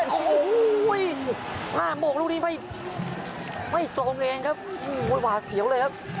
โอ้โหหน้าโมงลูกนี้ไม่ไม่ตรงเองครับหว่าเสียวเลยครับ